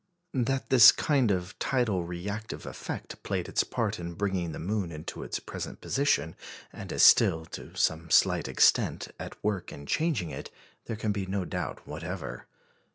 That this kind of tidal reactive effect played its part in bringing the moon into its present position, and is still, to some slight extent, at work in changing it, there can be no doubt whatever.